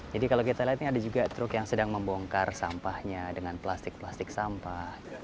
jadi kalau kita lihat ini ada juga truk yang sedang membongkar sampahnya dengan plastik plastik sampah